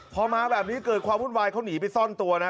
พอมาแบบนี้เกิดความวุ่นวายเขาหนีไปซ่อนตัวนะ